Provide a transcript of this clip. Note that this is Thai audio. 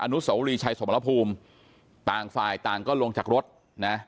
นุสวรีชัยสมรภูมิต่างฝ่ายต่างก็ลงจากรถนะ